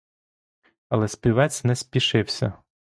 Але співець не спішився.